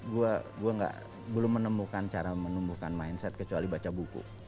gue belum menemukan cara menumbuhkan mindset kecuali baca buku